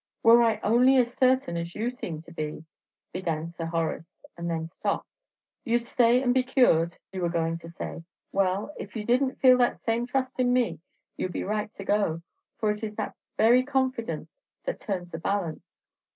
"Were I only as certain as you seem to be " began Sir Horace, and then stopped. "You 'd stay and be cured, you were goin' to say. Well, if you did n't feel that same trust in me, you 'd be right to go; for it is that very confidence that turns the balance.